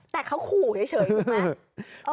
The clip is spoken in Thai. แต่เขาขู่เฉยถูกไหม